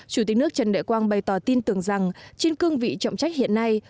chủ tịch nước trần đại quang bày tỏ tin tưởng rằng trên cương vị trọng trách hiện nay